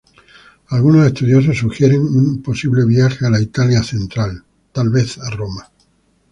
Algunos estudiosos sugieren un posible viaje a la Italia central, tal vez a Roma.